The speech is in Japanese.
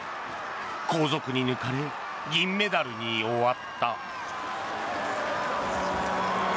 後続に抜かれ銀メダルに終わった。